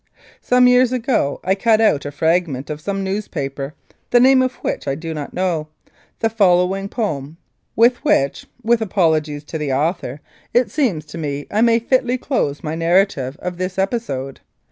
Some years ago I cut out a fragment of some news paper, the name of which I do not know, thje following poem, with which, with apologies to the author, it seems to me I may fitly close my narrative of this episode.